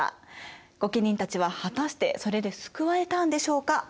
御家人たちは果たしてそれで救われたんでしょうか。